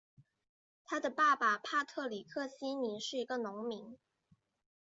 他的爸爸帕特里克希尼是一个农民。